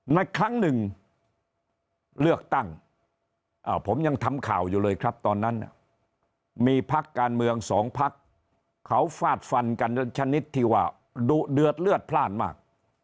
ในครั้งหนึ่งเลือกตั้งผมยังทำข่าวอยู่เลยครับตอนนั้นมีพักการเมืองสองพักเขาฟาดฟันกันชนิดที่ว่าดุเดือดเลือดพลาดมาก